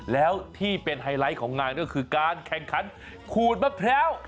แล้วที่เป็นไฮไลท์ของงานก็คือการแข่งขันขูดมะพร้าว